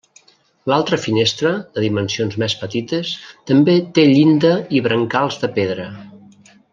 L'altra finestra, de dimensions més petites també té llinda i brancals de pedra.